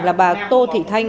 là bà tô thị thanh